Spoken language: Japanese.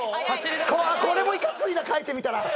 これもいかついな書いてみたら。